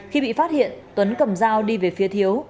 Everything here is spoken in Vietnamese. khi bị phát hiện tuấn cầm dao đi về phía thiếu